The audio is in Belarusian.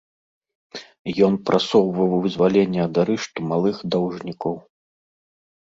Ён прасоўваў вызваленне ад арышту малых даўжнікоў.